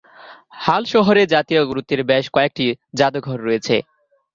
হাল শহরে জাতীয় গুরুত্বের বেশ কয়েকটি জাদুঘর রয়েছে।